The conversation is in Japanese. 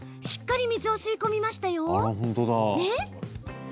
しっかり水を吸い込みました。